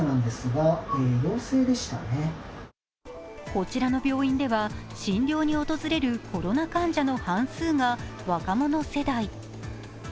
こちらの病院では診療に訪れるコロナ患者の半数が若者世代。